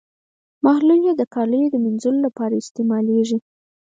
محلول یې د کالیو د مینځلو لپاره استعمالیږي.